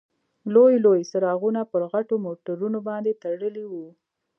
لوی لوی څراغونه پر غټو موټرونو باندې تړلي وو.